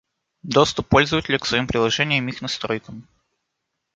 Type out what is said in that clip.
Доступ пользователя к своим приложениями и их настройкам